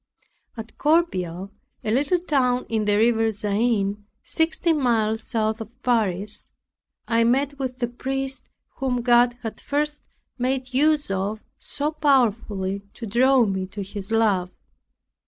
At Corbeil, (a little town on the river Seine, sixteen miles south of Paris,) I met with the priest whom God had first made use of so powerfully to draw me to His love.